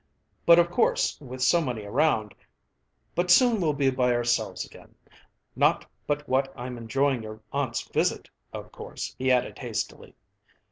"But, of course, with so many around But soon we'll be by ourselves again. Not but what I'm enjoying your aunt's visit, of course," he added hastily.